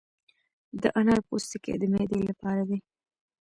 د انار پوستکي د معدې لپاره دي.